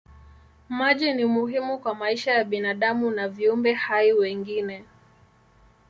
Maji ni muhimu kwa maisha ya binadamu na viumbe hai wengine.